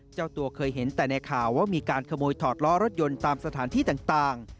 เจ้าตัวเคยเห็นแต่ในข่าวว่ามีการขโมยถอดล้อรถยนต์ตามสถานที่ต่าง